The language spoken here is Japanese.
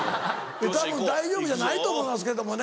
えったぶん大丈夫じゃないと思いますけどもね。